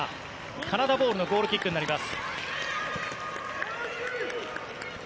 カナダボールのゴールキックになります。